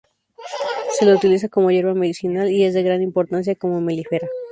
Se la utiliza como hierba medicinal y es de gran importancia como melífera.